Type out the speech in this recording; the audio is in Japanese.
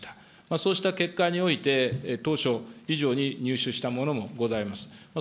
そうした結果において、当初、以上に入手したものもございます。